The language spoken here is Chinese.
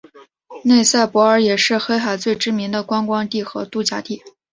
内塞伯尔也是黑海最知名的观光地和度假地。